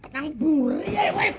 nang buri ya